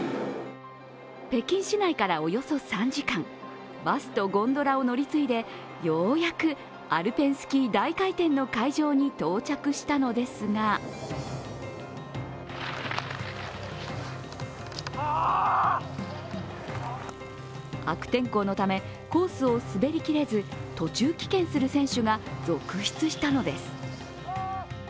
北京市内からおよそ３時間バスとゴンドラを乗り継いでようやくアルペンスキー大回転の会場に到着したのですが悪天候のため、コースを滑りきれず途中棄権する選手が続出したのです。